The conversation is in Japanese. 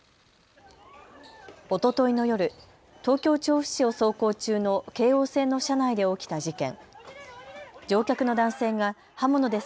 おとといの夜、東京調布市を走行中の京王線の車内で起きた事件。